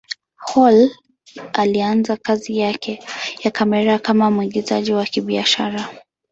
Hall alianza kazi yake ya kamera kama mwigizaji wa kibiashara.